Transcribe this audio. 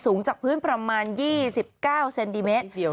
สูงจากพื้นประมาณ๒๙เซนติเมตร